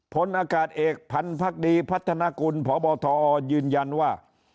ผลอากาศเอกพันธ์พักดีพัฒนากุลพบทอยืนยันว่า